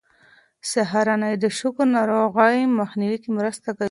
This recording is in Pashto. سهارنۍ د شکر ناروغۍ مخنیوی کې مرسته کوي.